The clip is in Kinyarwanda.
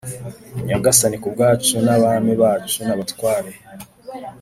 Nyagasani ku bwacu n abami bacu n abatware